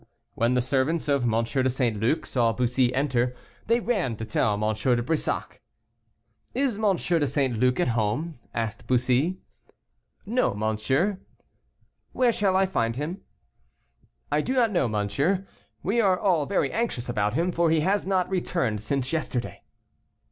When the servants of M. de St. Luc saw Bussy enter, they ran to tell M. de Brissac. "Is M. de St. Luc at home?" asked Bussy. "No, monsieur." "Where shall I find him?" "I do not know, monsieur. We are all very anxious about him, for he has not returned since yesterday."